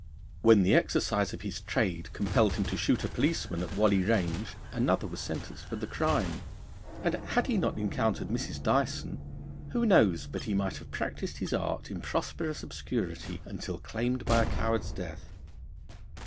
When the exercise of his trade compelled him to shoot a policeman at Whalley Range, another was sentenced for the crime; and had he not encountered Mrs. Dyson, who knows but he might have practised his art in prosperous obscurity until claimed by a coward's death?